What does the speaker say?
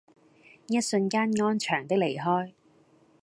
一瞬間安詳的離開